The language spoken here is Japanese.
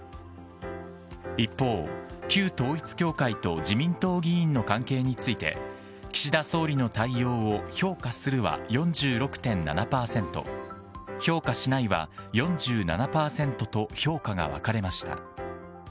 一方、旧統一教会と自民党議員の関係について、岸田総理の対応を評価するは４６．７％、評価しないは４７％と評価が分かれました。